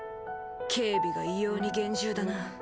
警備が異様に厳重だな。